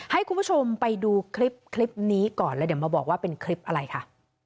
ให้คุณผู้ชมไปดูคลิปนี้ก่อนแล้วเดี๋ยวมาบอกว่าเป็นคลิปอะไรค่ะ